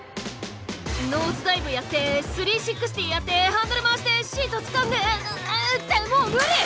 ノーズダイブやって３６０やってハンドル回してシートつかんでってもう無理！